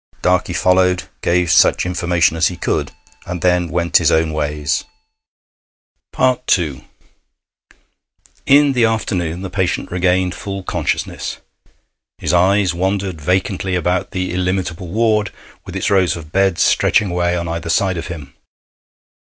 Darkey followed, gave such information as he could, and then went his own ways. II In the afternoon the patient regained full consciousness. His eyes wandered vacantly about the illimitable ward, with its rows of beds stretching away on either side of him.